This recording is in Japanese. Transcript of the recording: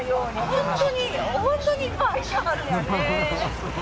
本当に、本当にいっぱいいてはるんやね。